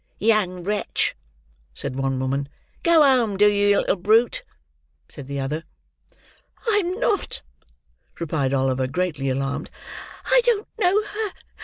"Young wretch!" said one woman. "Go home, do, you little brute," said the other. "I am not," replied Oliver, greatly alarmed. "I don't know her.